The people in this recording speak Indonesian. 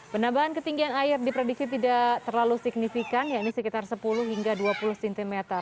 penambahan ketinggian air diprediksi tidak terlalu signifikan yakni sekitar sepuluh hingga dua puluh cm